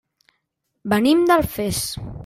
Venim d'Alfés.